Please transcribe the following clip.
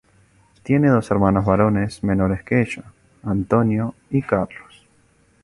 Tiene dos hermanos varones menores que ella, Antonio y Carlos.